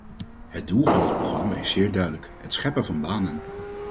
Het doel van het programma is zeer duidelijk: het scheppen van banen.